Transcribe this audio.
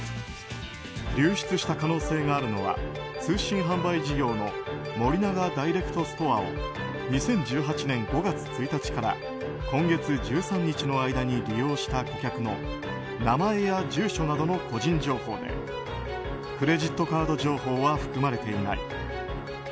流出した可能性があるのは通信販売事業の森永ダイレクトストアを２０１８年５月１日から今月１３日の間に利用した顧客の名前や住所などの個人情報でクレジットカード情報は含まれていない。